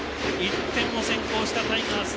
１点を先行したタイガース。